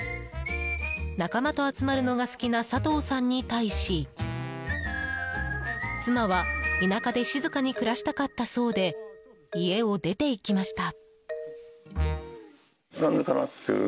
仲間と集まるのが好きな佐藤さんに対し妻は田舎で静かに暮らしたかったそうで家を出ていきました。